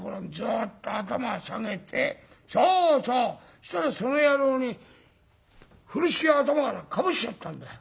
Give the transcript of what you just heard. そしたらその野郎に風呂敷を頭からかぶしちゃったんだよ。